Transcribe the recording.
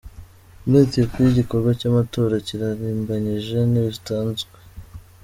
Muri Ethiopie, igikorwa cy’amatora kirarimbanyije, ntibatanzwe n.